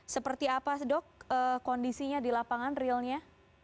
seperti apa dok kondisinya di lapangan realnya